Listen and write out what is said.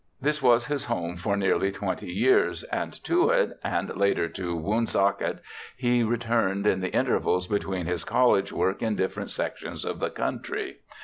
This was his home for nearly twenty years, and to it, and later to Woonsocket, he returned in the intervals between his college work in different sections of the country.